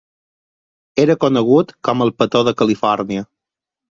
Era conegut com el Petó de Califòrnia.